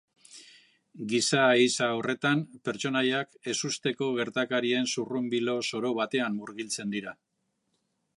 Giza ehiza horretan, pertsonaiak ezusteko gertakarien zurrunbilo zoro batean murgiltzen dira.